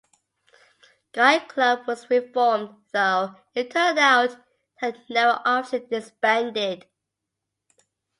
Guide Club was reformed, though it turned out it had never officially disbanded.